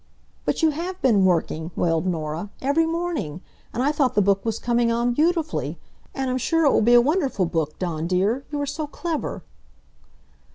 "But you have been working," wailed Norah, "every morning. And I thought the book was coming on beautifully. And I'm sure it will be a wonderful book, Dawn dear. You are so clever."